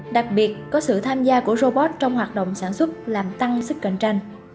đặc biệt có sự tham gia của robot trong hoạt động sản xuất làm tăng sức cạnh tranh